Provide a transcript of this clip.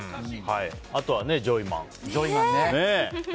あとはね、ジョイマン。